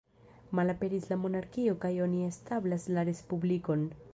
Malaperis la monarkio kaj oni establas la Respublikon.